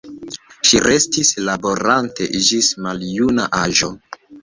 Ŝi restis laborante ĝis maljuna aĝo.